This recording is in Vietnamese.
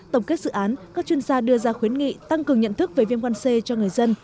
tổng kết dự án các chuyên gia đưa ra khuyến nghị tăng cường nhận thức về viêm gan c cho người dân